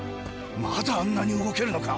まだあんなに動けるのか。